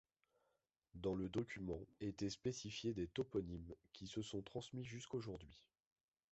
Dans le document, étaient spécifiés des toponymes qui se sont transmis jusqu’aujourd’hui.